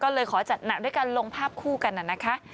ก็เลยขอจัดหนักด้วยการลงภาพคู่กันน่ะนะคะ